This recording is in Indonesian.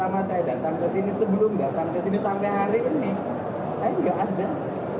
pertama saya datang ke sini sebelum datang ke sini sampai hari ini saya nggak ada